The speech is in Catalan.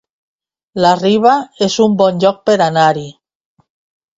La Riba es un bon lloc per anar-hi